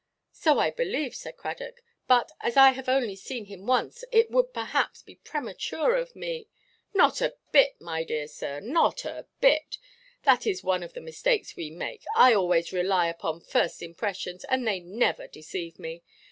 "So I believe," said Cradock; "but, as I have only seen him once, it would perhaps be premature of me——" "Not a bit, my dear sir, not a bit. That is one of the mistakes we make. I always rely upon first impressions, and they never deceive me.